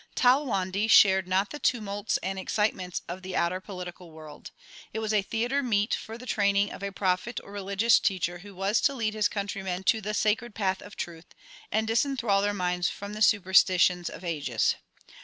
Talwandi shared not the tumults and excitements of the outer political world. It was a theatre meet for the training of a prophet or religious teacher who was to lead his countrymen to the sacred path of truth, and disenthral their minds from the superstitions of ages.